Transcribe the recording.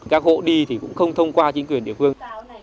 các hộ đi thì cũng không thông qua chính quyền địa phương